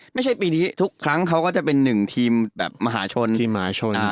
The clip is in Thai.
ไม่ใช่ปีนี้ทุกครั้งเขาก็จะเป็นหนึ่งทีมแบบมหาชนทีมมหาชน